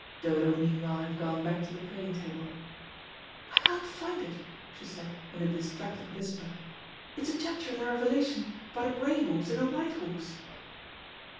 Dodo meanwhile had gone back to the praying table. "I can't find it," she said, in a distracted whisper. "It's a chapter in the Revelation about a grey horse and a white horse."